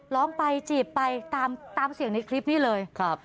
ร้องไปจีบไปตามเสียงในคลิปนี้เลยครับ